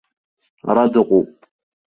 Ара дыҟоуп.